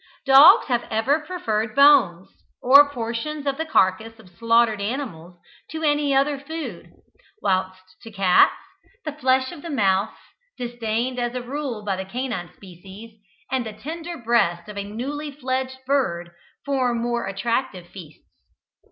Dogs have ever preferred bones, or portions of the carcasses of slaughtered animals, to any other food; whilst, to cats, the flesh of the mouse, disdained as a rule by the canine species, and the tender breast of the newly fledged bird, form more attractive feasts.